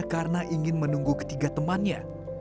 karena ingin menunggu ketiga temannya